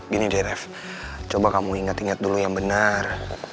gini deh coba kamu ingat ingat dulu yang benar